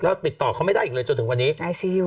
แล้วติดต่อเขามันไม่ได้อีกเลยจนถึงวันนี้